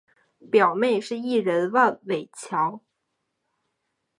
表妹是艺人万玮乔。